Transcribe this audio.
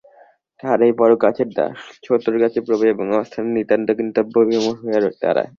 তাহারাই বড়োর কাছে দাস, ছোটোর কাছে প্রভু এবং অস্থানে নিতান্ত কিংবর্তব্যবিমূঢ় হইয়া দাঁড়ায়।